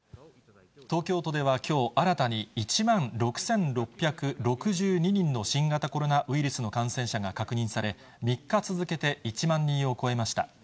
東京都ではきょう、新たに１万６６６２人の新型コロナウイルスの感染者が確認され、３日続けて１万人を超えました。